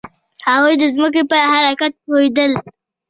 هغوی د ځمکې په حرکت پوهیدل.